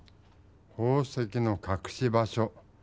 宝石のかくし場所。